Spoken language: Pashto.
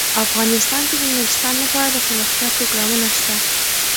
افغانستان کې د نورستان لپاره دپرمختیا پروګرامونه شته.